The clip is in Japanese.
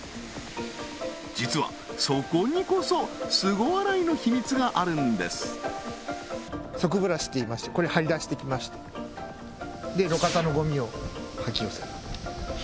実はそこにこそスゴ洗いの秘密があるんです側ブラシっていいましてこれ張り出してきまして路肩のゴミを掃き寄せる